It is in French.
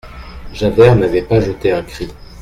Javert n'avait pas jeté un cri.